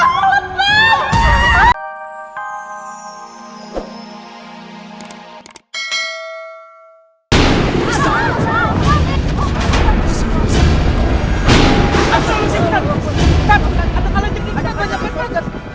atau kalau jemput kita banyak banget